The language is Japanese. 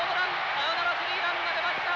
サヨナラスリーランが出ました。